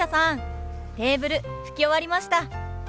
テーブル拭き終わりました。